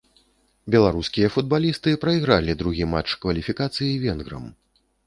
Беларускія футбалісты прайгралі другі матч кваліфікацыі венграм.